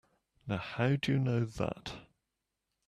Now how'd you know that?